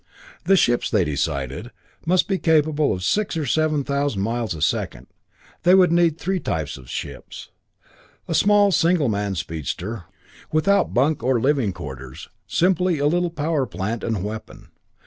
The ships, they decided, must be capable of six or seven thousand miles a second. They would need three types of ships: a small single man speedster, without bunk or living quarters, simply a little power plant and weapon.